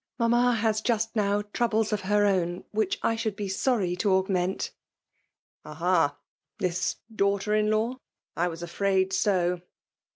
" Mamma has just now troables of her own which I should be sorry to augment!" " Aha !— This daughter in law? — I was afraid so